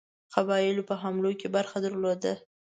قبایلو په حملو کې برخه درلوده.